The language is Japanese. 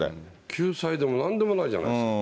救済でもなんでもないじゃないですか。